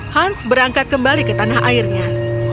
hans berangkat kembali ke tanah airnya